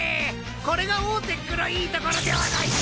これがオーテックのいいところではないか！